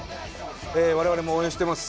我々も応援しています。